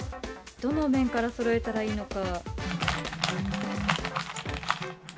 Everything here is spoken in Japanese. どの面からそろえたらいいのか。